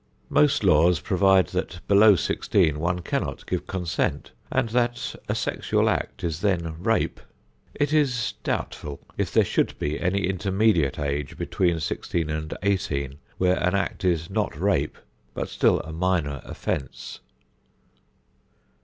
Most laws provide that below sixteen one cannot give consent and that a sexual act is then rape. It is doubtful if there should be any intermediate age between sixteen and eighteen, where an act is not rape but still a minor offence.